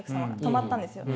止まったんですよ。